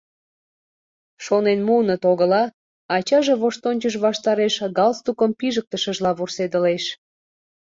— Шонен муыныт огыла, — ачаже воштончыш ваштареш галстукым пижыктышыжла вурседылеш.